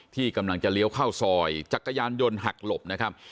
ที่กำลังจะเลี้ยวเข้าซอยจักรยานยนต์หักหลบนะครับ